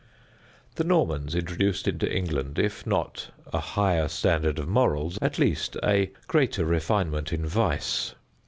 The Normans introduced into England, if not a higher standard of morals, at least a greater refinement in vice.